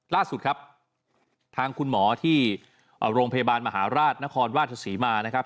ล่าสุดครับทางคุณหมอที่โรงพยาบาลมหาราชนครราชศรีมานะครับ